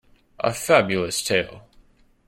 A Fabulous tale.